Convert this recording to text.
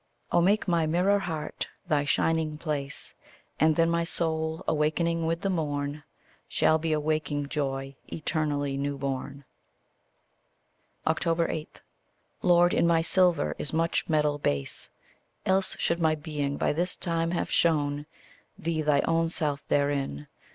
Oh make my mirror heart thy shining place, And then my soul, awaking with the morn, Shall be a waking joy, eternally new born. 8. Lord, in my silver is much metal base, Else should my being by this time have shown Thee thy own self therein.